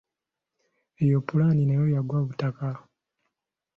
Eyo pulani nayo yagwa butaka.